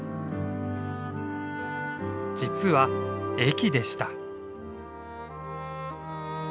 実は駅でした。